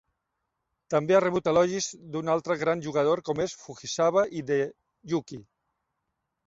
També ha rebut elogis d'un altre gran jugador com és Fujisawa Hideyuki.